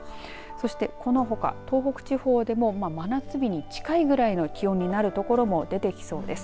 そしてこのほか東北地方でも真夏日に近いくらいの気温になる所も出てきそうです。